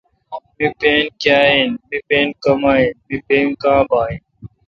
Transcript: می پن کیا این۔۔می پین کما این۔۔می پن کاں بااین